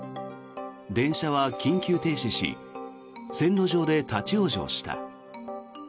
電車は緊急停止し線路上で立ち往生した。